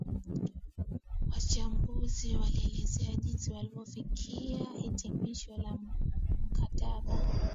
wachambuzi walielezea jinsi walivyofikia hitimisho la mkataba